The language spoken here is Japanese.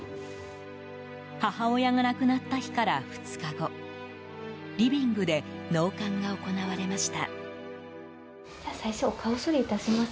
母親が亡くなった日から２日後リビングで納棺が行われました。